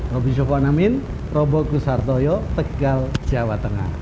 robby soekarno amin robo kusarto yo tegal jawa tengah